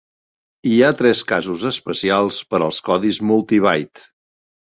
Hi ha tres casos especials per als codis multibyte.